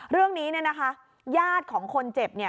เรื่องนี้เนี่ยนะคะญาติของคนเจ็บเนี่ย